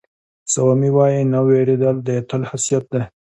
سوامي وایي نه وېرېدل د اتل خاصیت دی.